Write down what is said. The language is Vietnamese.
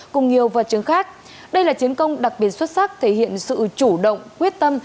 cùng nhiều vật chứng khác đây là chiến công đặc biệt xuất sắc thể hiện sự chủ động quyết tâm